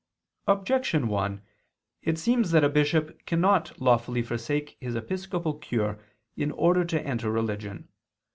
Objection 1: It seems that a bishop cannot lawfully forsake his episcopal cure in order to enter religion.